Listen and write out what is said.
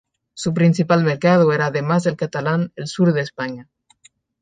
Su principal mercado era, además del catalán, el sur de España.